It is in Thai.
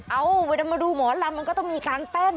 เอาเวลามาดูหมอลำมันก็ต้องมีการเต้น